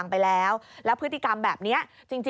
นี่ค่ะคุณผู้ชมพอเราคุยกับเพื่อนบ้านเสร็จแล้วนะน้า